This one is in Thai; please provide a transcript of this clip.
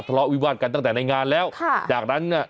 ทะเลาะวิวาดกันตั้งแต่ในงานแล้วค่ะจากนั้นน่ะ